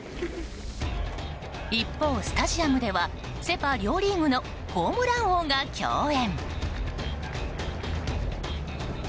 一方、スタジアムではセ・パ両リーグのホームラン王が競演。